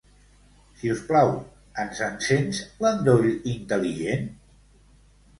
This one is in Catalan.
Si us plau, ens encens l'endoll intel·ligent?